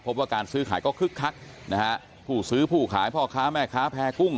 พบว่าการซื้อขายก็คึกคักนะฮะผู้ซื้อผู้ขายพ่อค้าแม่ค้าแพ้กุ้ง